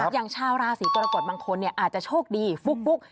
อย่างชาวราศีกรกฎบางคนอาจจะโชคดีฟุ๊ก